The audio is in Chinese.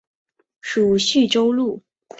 属叙州路。